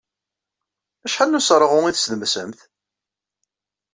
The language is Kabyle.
Acḥal n useṛɣu i tessdemsemt?